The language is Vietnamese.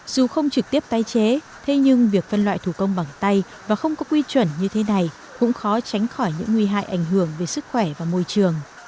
dù không trực tiếp tái chế thế nhưng việc phân loại thủ công bằng tay và không có quy chuẩn như thế này cũng khó tránh khỏi những nguy hại ảnh hưởng về sức khỏe và môi trường